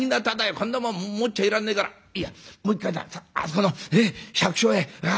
こんなもん持っちゃいらんねえからいやもう一回あそこの百姓家へ預けよう。